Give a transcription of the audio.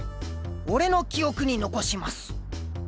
俺の記憶に残します。